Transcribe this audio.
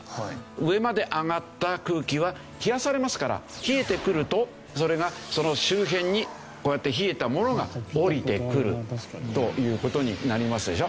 上まで上がった空気は冷やされますから冷えてくるとそれがその周辺にこうやって冷えたものが下りてくるという事になりますでしょ。